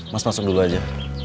mas masuk dulu aja